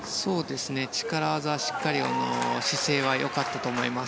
力技、しっかり姿勢は良かったと思います。